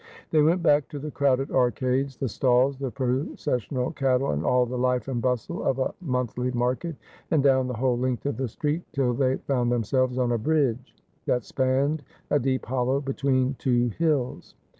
They went back to the crowded arcades, the stalls, the pro cessional cattle, and all the life and bustle of a monthly market, and down the whole length of the street, till they found them selves on a bridge that spanned a deep hollow between two hills.